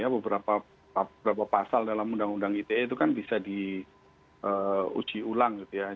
beberapa pasal dalam undang undang ite itu kan bisa diuji ulang gitu ya